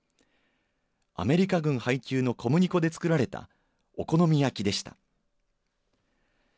アメリカ軍配給の小麦粉で作られたお好み焼きでした。